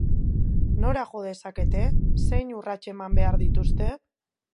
Nora jo dezakete, zein urrats eman behar dituzte?